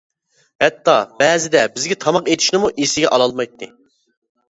ھەتتا بەزىدە بىزگە تاماق ئېتىشنىمۇ ئېسىگە ئالالمايتتى.